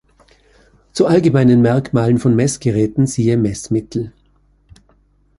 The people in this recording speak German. Zu allgemeinen Merkmalen von Messgeräten siehe Messmittel.